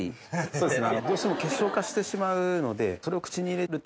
そうですね。